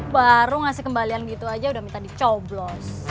baru ngasih kembalian gitu aja udah minta di coblos